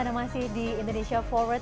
anda masih di indonesia forward